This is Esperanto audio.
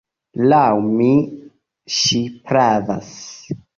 Laŭ mi, ŝi pravas.